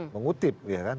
mengutip ya kan